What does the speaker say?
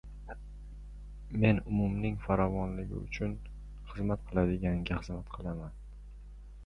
Men umumning farovonligi uchun xizmat qiladiganga xizmat qilaman.